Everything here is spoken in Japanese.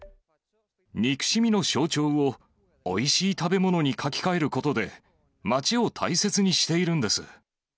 憎しみの象徴を、おいしい食べ物に描き換えることで、街を大切にしているんです。